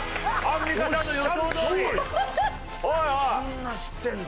アンミカさんの予想どおり。